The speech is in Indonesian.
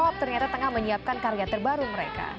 dan kepop ternyata tengah menyiapkan karya terbaru mereka